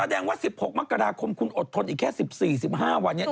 แสดงว่า๑๖มกราคมคุณอดทนอีกแค่๑๔๑๕วันนี้